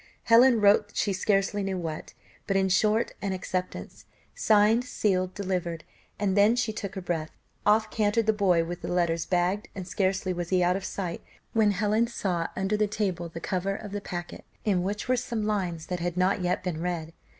Helen wrote she scarcely knew what, but in short an acceptance, signed, sealed, delivered, and then she took breath. Off cantered the boy with the letters bagged, and scarcely was he out of sight, when Helen saw under the table the cover of the packet, in which were some lines that had not yet been read.